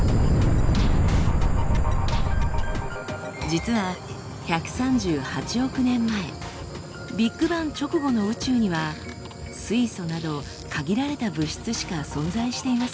実は１３８億年前ビッグバン直後の宇宙には水素など限られた物質しか存在していませんでした。